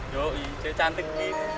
yoi cewek cantik g